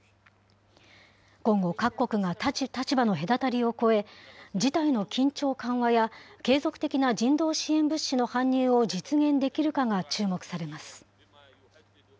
今後、各国が立場の隔たりを越え、事態の緊張緩和や継続的な人道支援物資の搬入を実現できるかが注目されます。